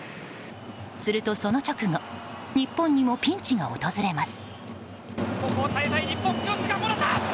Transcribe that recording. すると、その直後日本にもピンチが訪れます。